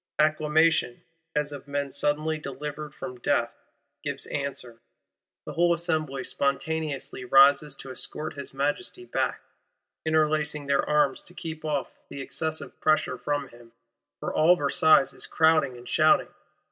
Acclamation, as of men suddenly delivered from death, gives answer. The whole Assembly spontaneously rises to escort his Majesty back; "interlacing their arms to keep off the excessive pressure from him;" for all Versailles is crowding and shouting.